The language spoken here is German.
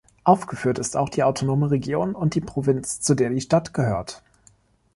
Aufgeführt ist auch die Autonome Region und die Provinz, zu der die Stadt gehört.